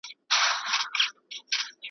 د سټیج له سر څخه .